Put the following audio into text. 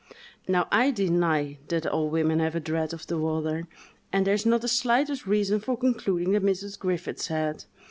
Now, I deny that all women have a dread of the water, and there is not the slightest reason for concluding that Mrs. Griffiths had.